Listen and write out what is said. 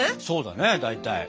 そうだね大体。